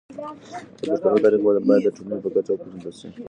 د پښتنو تاريخ بايد د نړۍ په کچه وپېژندل شي.